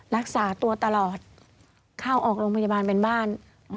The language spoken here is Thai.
รักษาตัวตลอดเข้าออกโรงพยาบาลเป็นบ้าน